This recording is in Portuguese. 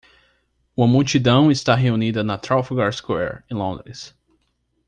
Uma multidão está reunida na Trafalgar Square, em Londres.